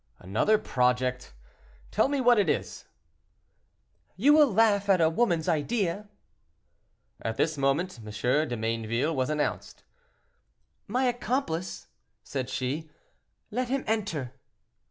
"Another project: tell me what it is." "You will laugh at a woman's idea." At this moment, M. de Mayneville was announced. "My accomplice," said she: "let him enter."